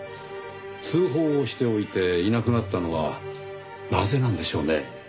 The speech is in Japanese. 通報をしておいていなくなったのはなぜなんでしょうね？